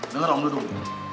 dengar om dudung